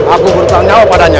aku bertanya apa padanya